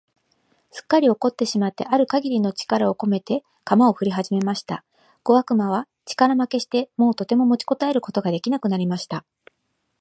すっかり怒ってしまってある限りの力をこめて、鎌をふりはじました。小悪魔は力負けして、もうとても持ちこたえることが出来なくなりました。